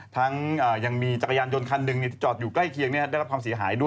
ทั้งยังมีจักรยานยนต์คันหนึ่งที่จอดอยู่ใกล้เคียงได้รับความเสียหายด้วย